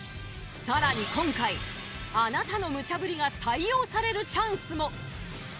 さらに今回あなたのムチャぶりが採用されるチャンスも。